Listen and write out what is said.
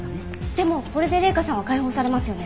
でもこれで麗華さんは解放されますよね？